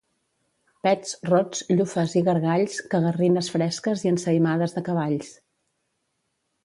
Pets, rots, llufes i gargalls, cagarrines fresques i ensaïmades de cavalls.